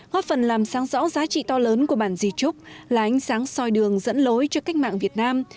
góp phần làm sáng rõ giá trị to lớn của bản di trúc là ánh sáng soi đường dẫn lối cho cách mạng việt nam